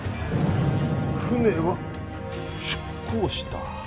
船は出港した。